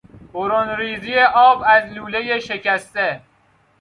برون ریزی آب از لولهی شکسته